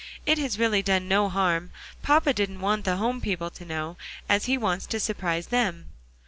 "It has really done no harm; papa didn't want the home people to know, as he wants to surprise them."